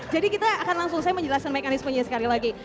jadi kita akan langsung saya menjelaskan mekanisme nya sekali lagi